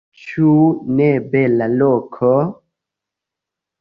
Ĉu ne bela loko?